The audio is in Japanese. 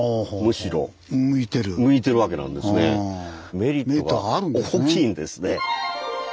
メリットが大きいんですね。